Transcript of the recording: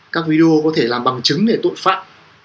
các video có thể làm bằng chứng để tội phạm